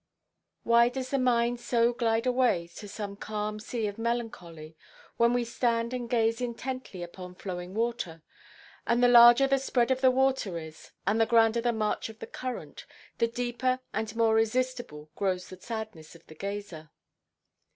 "Why does the mind so glide away to some calm sea of melancholy, when we stand and gaze intently upon flowing water? And the larger the spread of the water is, and the grander the march of the current, the deeper and more irresistible grows the sadness of the gazer.